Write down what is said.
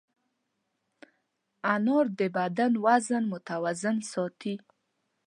انار د بدن وزن متوازن ساتي.